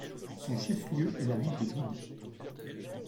Son chef-lieu est la ville de Bid.